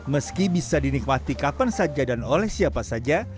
meski bisa dinikmati kapan saja dan oleh siapa saja